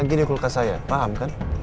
lagi di kulkas saya paham kan